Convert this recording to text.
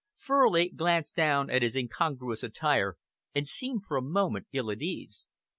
Furley glanced down at his incongruous attire and seemed for a moment ill at ease.